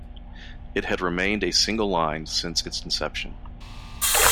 It had remained a single line since its inception.